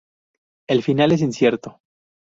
El final es incierto.